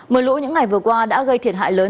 mờ lũ những ngày vừa qua đã gây thiệt hại lớn